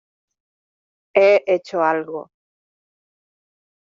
he hecho algo...